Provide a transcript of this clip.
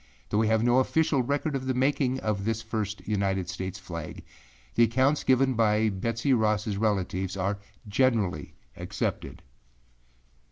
Though we have no official record of the making of this first United States flag, the accounts given by Betsey Rossâ relatives are generally accepted.